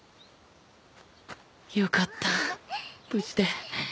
よかった無事で。